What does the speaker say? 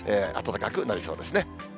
暖かくなりそうですね。